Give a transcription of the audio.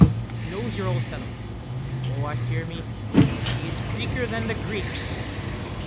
He knows your old fellow. O, I fear me, he is Greeker than the Greeks.